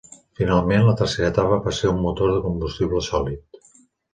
Finalment, la tercera etapa va ser un motor de combustible sòlid.